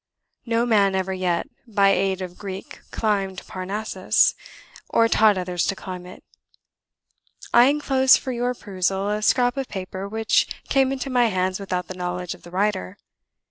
No man ever yet 'by aid of Greek climbed Parnassus,' or taught others to climb it. ... I enclose for your perusal a scrap of paper which came into my hands without the knowledge of the writer.